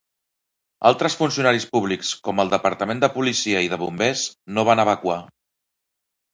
Altres funcionaris públics, com el departament de policia i de bombers, no van evacuar.